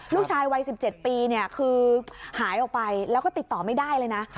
ลูกชายวัย๑๗ปีคือหายออกไปแล้วก็ติดต่อไม่ได้เลยนะ